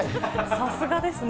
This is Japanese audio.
さすがですね。